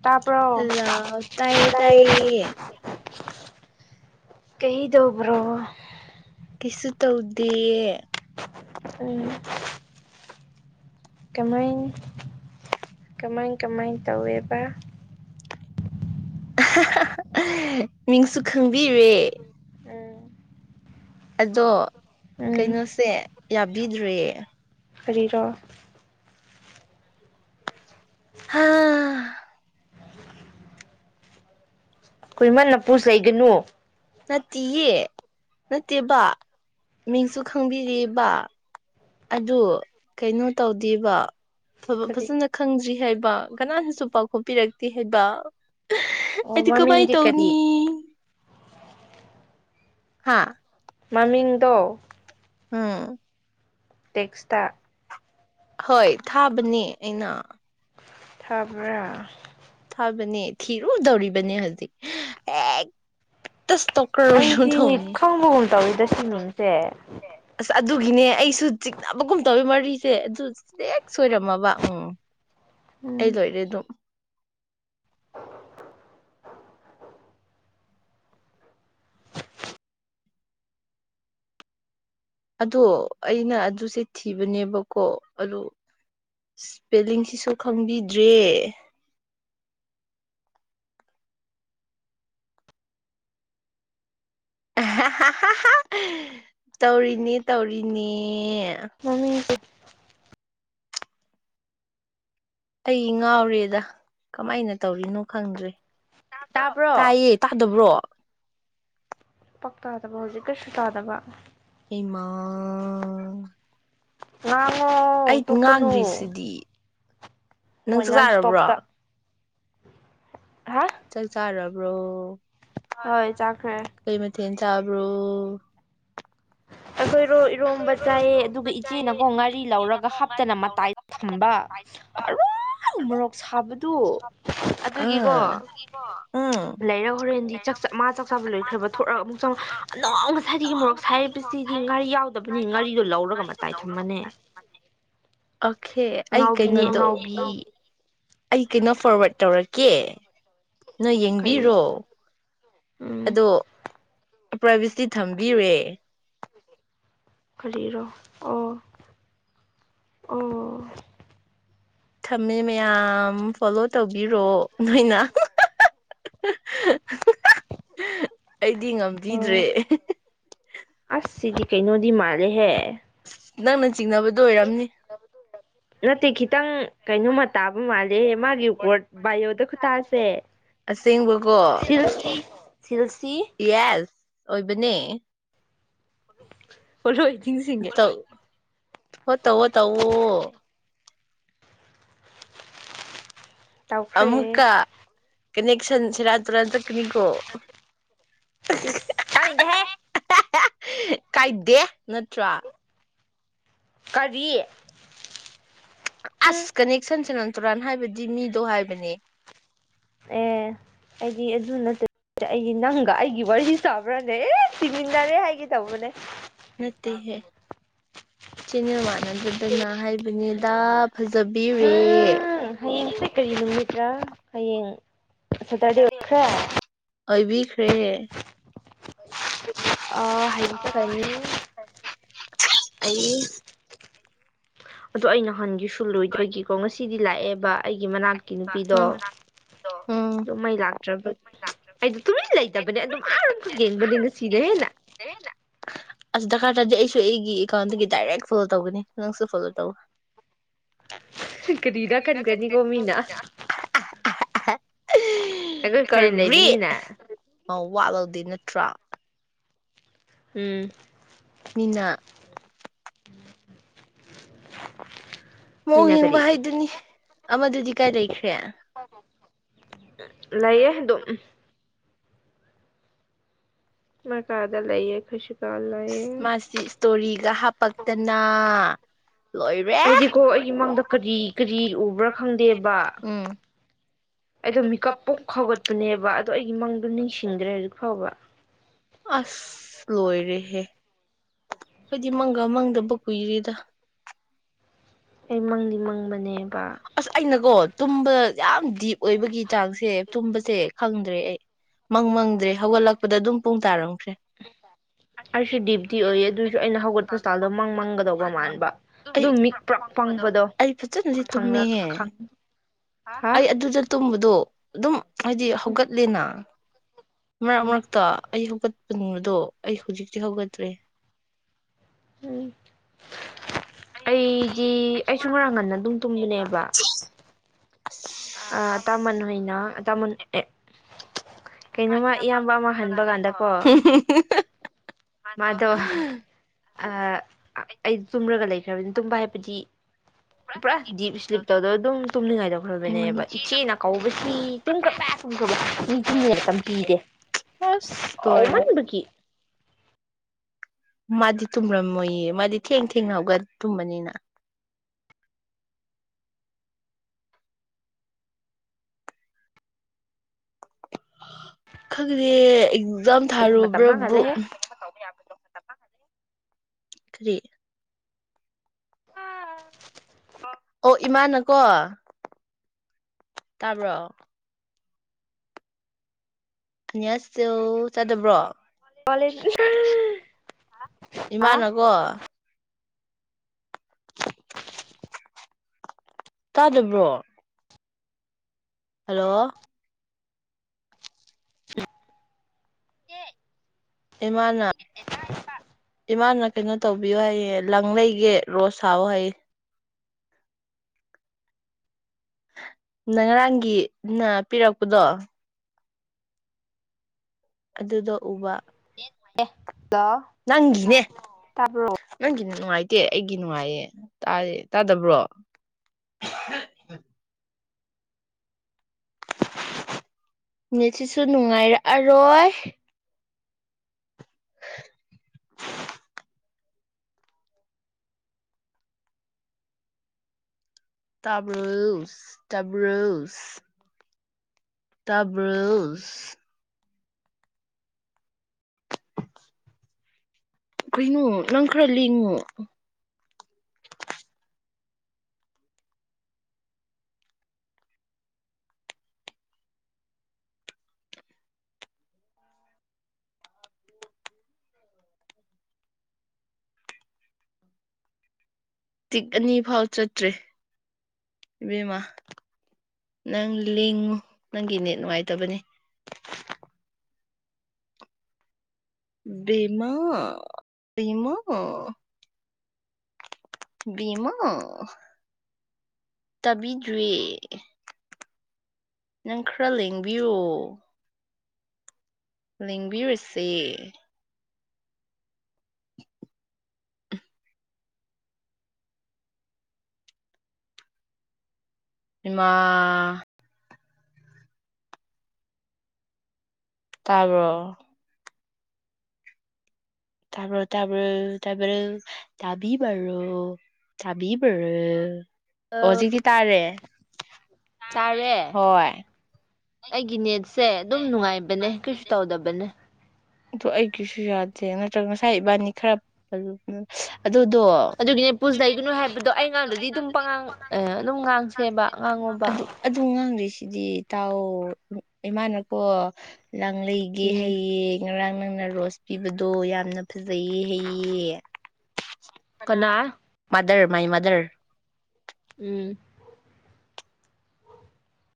ꯇꯥꯕ꯭ꯔꯣ ꯍꯜꯂꯣ ꯇꯥꯌꯦ ꯇꯥꯌꯦ ꯀꯩꯗꯧꯕ꯭ꯔꯣ ꯀꯤꯁꯨ ꯇꯧꯗꯤꯌꯦ ꯎꯝ ꯀꯃꯥꯏ ꯀꯃꯥꯏ ꯀꯃꯥꯏ ꯇꯧꯋꯦꯕ ꯃꯤꯡꯁꯨ ꯈꯪꯕꯤꯔꯦ ꯎꯝ ꯑꯗꯣ ꯎꯝ ꯀꯩꯅꯣꯁꯦ ꯌꯥꯕꯤꯗ꯭ꯔꯦ ꯐꯔꯤꯔꯣ ꯍꯥꯥ ꯀꯈꯣꯏꯃꯟ ꯅꯄꯨꯁ ꯂꯩꯒꯅꯨ ꯅꯠꯇꯦꯌꯦ ꯅꯠꯇꯦꯕꯕꯥ ꯃꯤꯡꯁꯨ ꯈꯪꯕꯤꯔꯦꯕ ꯑꯗꯨ ꯀꯩꯅꯣ ꯇꯧꯗꯦꯕ ꯀꯔꯤ ꯐꯖꯅ ꯈꯪꯗ꯭ꯔꯤ ꯍꯥꯏꯕ ꯀꯅꯥꯅꯁꯨ ꯄꯥꯎꯈꯣꯄꯤꯔꯛꯇꯦ ꯍꯥꯏꯕ ꯑꯣ ꯑꯩꯗꯤ ꯀꯃꯥꯏ ꯃꯃꯤꯡꯗꯤ ꯀꯔꯤ ꯇꯧꯅꯤ ꯍꯥꯥ ꯃꯃꯤꯡꯗ ꯑꯝ ꯇꯦꯛꯁꯇ ꯍꯣꯏ ꯊꯥꯕꯅꯦ ꯑꯩꯅ ꯊꯕ꯭ꯔ ꯕꯅꯤ ꯊꯤꯔꯨꯗꯧꯔꯤꯕꯅꯤ ꯍꯧꯖꯤꯛ ꯑꯦ ꯑꯩꯗꯤ ꯈꯪꯕꯒꯨꯝ ꯇꯧꯔꯤꯤꯗ ꯁ꯭ꯋꯤꯃꯤꯡꯁꯦ ꯑꯁ ꯑꯗꯨꯒꯤꯅꯦ ꯑꯩꯁꯨ ꯆꯤꯛꯅꯕꯒꯨꯝ ꯇꯧꯋꯤ ꯃꯔꯤꯁꯦ ꯑꯗꯨ ꯍꯦꯛ ꯁꯣꯏꯔꯝꯃꯕ ꯎꯝ ꯎꯝ ꯑꯩꯗꯣꯏꯔ ꯑꯗꯨꯝ ꯑꯗꯣ ꯑꯩꯅ ꯑꯗꯨꯁꯦ ꯊꯤꯕꯅꯦꯕꯀꯣ ꯑꯗꯨ ꯏꯁꯄꯦꯜꯂꯤꯡꯁꯤꯁꯨ ꯈꯪꯕꯤꯗ꯭ꯔꯦ ꯇꯧꯔꯤꯅꯤ ꯇꯧꯔꯤꯅꯤ ꯑ ꯃꯃꯤꯡꯁꯦ ꯑꯩ ꯉꯥꯎꯔꯦꯗ ꯀꯃꯥꯏꯅ ꯇꯧꯔꯤꯅꯣ ꯈꯪꯗ꯭ꯔꯦ ꯇꯥꯕ꯭ꯔꯣ ꯇꯥꯏꯌꯦ ꯇꯥꯗꯕ꯭ꯔꯣ ꯄꯥꯛ ꯇꯥꯗꯕ ꯍꯧꯖꯤꯛ ꯀꯔꯤꯁꯨ ꯇꯥꯗꯕ ꯏꯃꯥ ꯉꯥꯡꯉꯣ ꯑꯩ ꯇꯣꯛꯀꯅꯨ ꯉꯥꯡꯗ꯭ꯔꯤꯁꯤꯗꯤ ꯍꯣꯏ ꯅꯪꯁꯨ ꯅꯟ ꯆꯥꯔꯕ꯭ꯔꯣ ꯁ꯭ꯇꯣꯞꯇ ꯍꯥ ꯆ ꯆꯔꯔꯕ ꯍ꯭ꯔꯣ ꯍꯣꯏ ꯆꯈ꯭ꯔꯦ ꯇꯔꯨ ꯑꯩꯈꯣꯏꯔꯣ ꯏꯔꯣꯝꯕ ꯆꯥꯏꯌꯦ ꯑꯗꯨꯒ ꯏꯆꯦꯅꯀꯣ ꯉꯥꯔꯤ ꯂꯧꯔꯒ ꯍꯥꯞꯇꯅ ꯃꯇꯥꯏ ꯊꯝꯕ ꯑꯔꯣꯏ ꯃꯣꯔꯣꯛ ꯁꯥꯕꯗꯨ ꯑꯗꯨꯒꯤꯀꯣ ꯑꯥ ꯎꯝ ꯂꯩꯔ ꯍꯣꯔꯦꯟꯗꯤ ꯃꯥ ꯆꯥꯛ ꯆꯥꯕ ꯂꯣꯏꯈ꯭ꯔꯕ ꯊꯣꯔꯛꯒ ꯑꯃꯨꯛ ꯆꯪ ꯑꯅ ꯉꯁꯥꯏꯗꯒꯤ ꯃꯣꯔꯣꯛ ꯗꯤꯒꯥ ꯑꯣꯀꯦ ꯑꯩ ꯑꯉꯥꯎꯕꯤꯅꯦ ꯀꯩꯅꯣꯗꯣ ꯑꯉꯥꯎꯕꯤ ꯑꯩ ꯀꯩꯅꯣ ꯐꯣꯔꯋꯥꯔꯠ ꯇꯧꯔꯛꯀꯦ ꯅꯪ ꯀꯔꯤ ꯌꯦꯡꯕꯤꯔꯣ ꯎꯝ ꯑꯗꯣ ꯄ꯭ꯔꯥꯏꯚꯦꯁꯤ ꯊꯝꯕꯤꯨꯔꯦ ꯐꯔꯤꯔꯣ ꯑꯣ ꯑꯣ ꯊꯝꯃꯦ ꯃꯌꯥꯝ ꯐꯣꯂꯣ ꯇꯧꯕꯤꯔꯣ ꯅꯣꯏꯅ ꯑꯩꯗꯤ ꯑꯣ ꯉꯝꯈꯤꯗ꯭ꯔꯦ ꯑꯁ ꯁꯤꯗꯤ ꯀꯩꯅꯣꯗꯤ ꯃꯥꯟ ꯂꯦꯍꯦ ꯅꯪ ꯅ ꯅꯠꯇꯦ ꯈꯤꯇꯪ ꯀꯩꯅꯣꯝꯃ ꯇꯥꯕ ꯃꯥꯜꯂꯦ ꯃꯥꯒꯤ ꯕꯥꯏꯑꯣꯗ ꯈꯨꯇꯥꯁꯦ ꯑꯁꯦꯡꯕꯀꯣ ꯁꯤ ꯁꯤ ꯌꯦꯁ ꯑꯣꯏꯕꯅꯦ ꯑꯣꯏꯔꯣꯏ꯫ ꯆꯤꯡꯁꯤꯡꯒꯦ ꯇꯧ ꯍꯣ ꯇꯧꯑꯣ ꯇꯧꯑꯣ꯫ ꯇꯧꯈ꯭ꯔꯦ ꯑꯃꯨꯛꯀ ꯀꯅꯦꯛꯁꯟ ꯁꯦꯔꯥꯟ ꯇꯨꯔꯟ ꯆꯠꯀꯥꯅꯤꯀꯣ ꯏꯁ ꯇꯅꯤꯡ ꯗꯦꯍꯦ ꯀꯥꯏꯗꯦ ꯅꯠꯇ꯭ꯔꯥ ꯀꯔꯤ ꯑꯁ ꯍꯨꯝ ꯀꯅꯤꯛ ꯁꯟꯁꯤꯅ ꯇꯨꯔꯥꯟ ꯍꯥꯏꯕꯗꯤ ꯃꯤꯗꯣ ꯍꯥꯏꯕꯅꯦ ꯑꯦ ꯑꯩꯗꯤ ꯑꯗꯨ ꯅꯠꯇꯦ ꯑꯩ ꯅꯪꯒ ꯑꯩꯒꯤ ꯋꯥꯔꯤ ꯆꯥꯕ꯭ꯔꯥꯅꯦ ꯑꯦ ꯁꯤꯃꯤꯟꯅꯔꯦ ꯍꯥꯏꯒꯦ ꯇꯧꯕꯅꯦ ꯅꯠꯇ ꯍꯦ ꯆꯦꯟꯅ ꯃꯥꯅꯗꯗꯅ ꯍꯥꯏꯕꯅꯤꯗꯥ ꯐꯖꯕꯤꯔꯦ ꯎꯝ ꯍꯌꯦꯡꯁꯦ ꯀꯔꯤ ꯅꯨꯃꯤꯠꯔꯥ ꯍꯌꯦꯡ ꯁ ꯇꯗꯤ ꯑꯣꯈ꯭ꯔꯔꯦ ꯑꯣꯏꯕꯤꯈ꯭ꯔꯦꯍꯦ ꯑꯥ ꯍꯥꯏꯌꯦꯡ ꯆꯠꯈ꯭ꯔꯅꯤ ꯑꯗꯣ ꯑꯩ ꯅꯍꯥꯟꯒꯤꯁꯨ ꯂꯣꯏꯗꯕꯒꯤꯀꯣ ꯉꯁꯤꯗꯤ ꯂꯥꯛꯑꯦ ꯕꯥ ꯑꯩ ꯒꯤ ꯃꯅꯥꯛꯀꯤ ꯅꯨꯄꯤꯗꯣ ꯎꯝ ꯑꯗꯨꯝ ꯃꯩ ꯂꯥꯛꯇ꯭ꯔꯕ ꯑꯩꯗꯣ ꯇꯨꯃꯤꯟ ꯂꯩꯇꯕꯅꯦ ꯑꯗꯨꯝ ꯑꯥꯔ ꯑꯃꯈꯛ ꯌꯦꯡꯕꯅꯦ ꯉꯁꯤꯅ ꯍꯦꯟꯅ ꯑꯁ ꯗꯔꯀꯥꯔ ꯇꯥꯗꯦ ꯑꯩꯁꯨ ꯑꯩꯒꯤ ꯑꯦꯀꯥꯎꯟꯗꯒꯤ ꯗꯥꯏꯔꯦꯛ ꯐꯣꯂꯣ ꯇꯧꯒꯅꯤ ꯅꯪꯁꯨ ꯐꯣꯂꯣ ꯇꯧ ꯀꯔꯤꯗꯥ ꯀꯟꯒꯅꯤ ꯀꯣ ꯃꯅꯥ ꯑꯍꯥ ꯑꯍꯥꯥ ꯐ꯭ꯔꯦꯟ ꯀꯔꯤ ꯂꯩꯕꯅꯤꯅ ꯅꯣ ꯋꯥꯠꯂꯧꯗꯦ ꯅꯠꯇ꯭ꯔꯥ ꯎꯝ ꯃꯤ ꯃꯑꯣ ꯃꯤꯅ ꯌꯦꯡꯕ ꯀꯔꯤ ꯍꯥꯏꯗꯨꯅꯤ ꯑꯃꯗꯨꯗꯤ ꯀꯥꯏ ꯂꯩꯈ꯭ꯔꯦ ꯂꯩꯌꯦꯦ ꯑꯗꯨ ꯃ ꯀꯥꯗ ꯂꯩꯌꯦ ꯈꯨꯁꯤ ꯃꯥꯁꯤ ꯏꯁꯇꯣꯔꯤꯒ ꯍꯥꯄꯛꯇꯅ ꯂꯣꯏꯔꯦ ꯑꯩꯗꯤꯈꯣ ꯑꯩꯒꯤ ꯃꯥꯡꯗ ꯀꯔꯤ ꯀꯔꯤ ꯎꯕ꯭ꯔꯥ ꯈꯪꯗꯦꯕ ꯎꯝ ꯑꯩꯗꯣ ꯃꯤꯀꯞ ꯄꯣꯛ ꯈꯥꯎꯒꯠꯄꯅꯦꯕ ꯑꯗꯣ ꯑꯩꯒꯤ ꯃꯪꯗꯣ ꯅꯤꯡꯁꯤꯡꯗ꯭ꯔꯦ ꯍꯧꯖꯤꯛ ꯐꯥꯎꯕ ꯑꯁ ꯂꯣꯏꯔꯦꯍꯦ ꯑꯩꯣꯏꯗꯤ ꯃꯪꯒ ꯃꯪꯗꯕ ꯀꯨꯏꯔꯦꯗ ꯑꯩ ꯃꯪꯗꯤ ꯃꯪꯕꯅꯦꯕ ꯑꯁ ꯑꯩꯅꯀꯣ ꯇꯨꯝꯕ ꯌꯥꯝ ꯗꯤꯞ ꯑꯣꯏꯕꯒꯤ ꯆꯥꯛꯁꯦ ꯇꯨꯝꯕꯁꯦ ꯈꯪꯗ꯭ꯔꯦ ꯑꯩ ꯃꯪ ꯃꯪꯗ꯭ꯔꯦ ꯍꯧꯒꯠꯂꯛꯄꯗ ꯑꯗꯨꯝ ꯄꯨꯡ ꯇꯥꯔꯝ ꯑꯩꯁꯨ ꯗꯤꯞꯇꯤ ꯑꯣꯏꯌꯦ ꯑꯗꯨꯁꯨ ꯑꯩꯅ ꯍꯧꯒꯠꯄ ꯁꯇꯥꯜꯗꯣ ꯃꯪ ꯃꯪꯒꯗꯧꯕ ꯃꯥꯟꯕ ꯑꯩ ꯑꯗꯨꯝ ꯃꯤꯛ ꯄ꯭ꯔꯣꯛ ꯑꯩ ꯐꯖꯅꯗꯤ ꯇꯨꯝꯃꯤꯍꯦ ꯈꯪ ꯍꯥ ꯑꯩ ꯑꯗꯨꯗ ꯕꯗꯣ ꯑꯗꯨꯝ ꯍꯥꯏꯗꯤ ꯍꯧꯒꯠꯂꯦꯅ ꯃꯔꯛ ꯎꯝ ꯃꯔꯛꯇꯣ ꯑꯩ ꯍꯧꯒꯠ [unintelligible] ꯑꯩ ꯍꯧꯖꯤꯛꯇꯤ ꯍꯧꯒꯠꯇ꯭ꯔꯦ ꯎꯝ ꯑꯩ ꯑꯩꯁꯨ ꯉꯔꯥꯡ ꯉꯟꯅ ꯑꯗꯨꯝ ꯇꯨꯝꯕꯅꯦꯕ ꯇꯥꯃꯟ ꯍꯣꯏꯅ ꯇꯥꯃꯟ ꯑꯦ ꯀꯩꯅꯣꯝꯃ ꯏꯌꯥꯝꯕ ꯑꯃ ꯍꯟꯕ ꯀꯥꯟꯗꯀꯣ ꯃꯗꯣ ꯑ ꯑꯩ ꯆꯨꯝꯔꯒ ꯂꯩ [unintelligible] ꯇꯨꯝꯕ ꯍꯥꯏꯕꯗꯤ ꯄꯨꯔꯥ ꯗꯤꯞ ꯏꯁꯂꯤꯞꯇꯣ ꯑꯗ ꯑꯗꯨꯝ ꯇꯨꯝꯅꯤꯡꯉꯥꯏꯗꯧꯈ꯭ꯔꯕꯅꯦꯕ ꯏꯆꯦꯅ ꯀꯧꯕꯁꯤ ꯇꯨꯝꯈ꯭ꯔ ꯄ ꯇꯨꯝꯈ꯭ꯔꯕ [unintelligible] ꯄꯤꯗꯦ ꯑꯁ ꯂꯣꯏꯔꯦ ꯀꯧꯃꯟꯕꯒꯤ ꯃꯥꯗꯤ ꯇꯨꯝꯔꯝꯃꯣꯏꯌꯦ ꯃꯥꯗꯤ ꯊꯦꯡ ꯊꯦꯡꯅ ꯍꯧꯒ ꯇꯨꯝꯕꯅꯤꯅ ꯈꯪꯗꯤꯌꯦ ꯖꯥꯝ ꯃꯇꯝ ꯊꯥꯔꯨꯕ꯭ꯔꯕꯨ ꯃꯥꯡꯍꯜꯂꯦꯍꯦ ꯀꯔꯤ ꯑꯣ ꯏꯃꯥꯅꯀꯣ ꯇꯥꯕ꯭ꯔꯣ [unintelligible] ꯇꯥꯗꯕ꯭ꯔꯣ [unintelligible] ꯑꯦ ꯏꯃꯥꯅ ꯀꯣ ꯇꯥꯗꯕ꯭ꯔꯣ ꯍꯜꯂꯣ [unintelligible] ꯏꯃꯥꯅ ꯏꯃꯥꯅ ꯀꯩꯅꯣ ꯇꯧꯕꯤꯌꯨ ꯍꯥꯏꯌꯦ ꯂꯪ ꯂꯩꯒꯦ ꯔꯣꯁ ꯁꯥꯑꯣ ꯍꯥꯏꯌꯦ ꯅꯔꯥꯡꯒꯤ ꯅ ꯄꯤꯔꯛꯄꯗꯣ ꯑꯗꯨꯗꯣ ꯎꯕ ꯍꯜꯂꯣ ꯅꯪꯒꯤꯅꯦ ꯇꯥꯕ꯭ꯔꯣ ꯅꯪꯒꯤꯅꯦ ꯅꯨꯡꯉꯥꯏꯇꯦ ꯑꯩꯒꯤ ꯅꯨꯡꯉꯥꯏꯌꯦ ꯇꯥꯏ ꯇꯥꯗꯕ꯭ꯔꯣ ꯅꯦꯠꯁꯤꯁꯨ ꯅꯨꯡꯉꯥꯏꯔꯛꯑꯔꯣꯏ ꯇꯕ꯭ꯔꯣꯁ ꯇꯕ꯭ꯔꯣꯁ ꯇꯥꯕ꯭ꯔꯣꯁ ꯀꯩꯅꯣ ꯅꯪ ꯈꯔ ꯂꯦꯡꯉꯣ ꯇꯤꯛ ꯑꯅꯤ ꯐꯥꯎ ꯆꯠꯇ꯭ꯔꯦ ꯏꯕꯦꯝꯃ ꯅꯪ ꯂꯦꯡꯉꯨ ꯅꯪꯒꯤ ꯅꯦꯠ ꯅꯨꯡꯉꯥꯏꯇꯕꯅꯤ ꯕꯦꯝꯃꯥ ꯕꯦꯝꯃꯥ ꯕꯦꯝꯃꯥ ꯇꯥꯕꯤꯗ꯭ꯔꯦ ꯅꯪ ꯈꯔ ꯂꯦꯡꯕꯤꯌꯣ ꯂꯦꯡꯕꯤꯔꯨꯁꯦ ꯃ ꯇꯥꯕ꯭ꯔꯣ ꯇꯥꯕꯔ ꯇꯥꯕꯔ ꯇꯥꯕꯔ ꯇꯥꯕꯤꯕꯔꫭ ꯇꯥꯕꯤꯕꯔꫭ ꯑ ꯆꯥꯔꯦ ꯍꯣꯏ ꯑꯩꯒꯤ ꯅꯦꯠꯁꯦ ꯑꯗꯨꯝ ꯅꯨꯡꯉꯥꯏꯕꯅꯦ ꯀꯩꯁꯨ ꯇꯧꯗꯕꯅꯦ ꯑꯗꯨ ꯑꯩꯒꯤꯁꯨ ꯌꯥꯗꯦ ꯅꯠꯇ꯭ꯔꯒ ꯉꯁꯥꯏ ꯏꯕꯥꯅꯤ ꯈꯔ ꯑꯗꯨꯗꯣ ꯑꯗꯨꯒꯤꯅꯦ ꯄꯨꯁ ꯂꯩꯒꯅꯨ ꯍꯥꯏꯕꯗꯣ ꯑꯩ ꯉꯥꯡꯗꯨꯗꯤ ꯑꯗꯨꯝ ꯄꯉꯥꯡ ꯑꯗꯨꯝ ꯉꯥꯡꯁꯦꯕ ꯉꯥꯡꯉꯣꯕ ꯁꯤꯗꯤ ꯏ ꯇꯥꯎ ꯏꯃꯥꯟꯅꯀꯣ ꯂꯥꯡꯂꯩꯒꯤ ꯎꯝ ꯍꯌꯦ ꯉꯔꯥꯡ ꯅꯪꯅ ꯔꯣꯁ ꯄꯤꯕꯗꯣ ꯌꯥꯝꯅ ꯐꯖꯩꯌꯦ ꯍꯩꯌꯦ ꯀꯅꯥ ꯃꯗꯔ ꯃꯥꯏ ꯃꯗꯔ ꯎꯝ